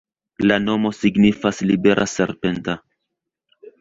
La nomo signifas libera-serpenta.